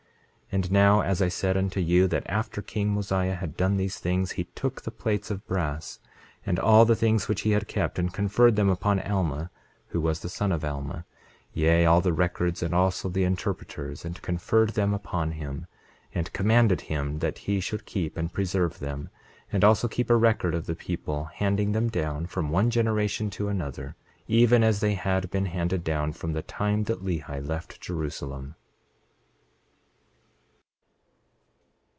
28:20 And now, as I said unto you, that after king Mosiah had done these things, he took the plates of brass, and all the things which he had kept, and conferred them upon Alma, who was the son of Alma; yea, all the records, and also the interpreters, and conferred them upon him, and commanded him that he should keep and preserve them, and also keep a record of the people, handing them down from one generation to another, even as they had been handed down from the time that Lehi left Jerusalem.